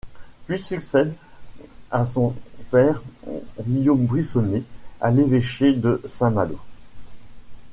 Puis succède à son père Guillaume Briçonnet à l'évêché de Saint-Malo.